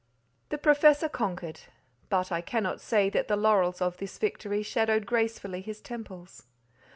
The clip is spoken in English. The Professor conquered, but I cannot say that the laurels of this victory shadowed gracefully his temples.